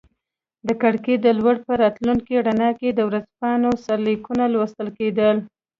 د کړکۍ له لوري په راتلونکي رڼا کې د ورځپاڼو سرلیکونه لوستل کیدل.